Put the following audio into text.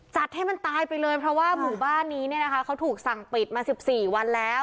จัดให้มันตายไปเลยเพราะว่าหมู่บ้านนี้เนี่ยนะคะเขาถูกสั่งปิดมา๑๔วันแล้ว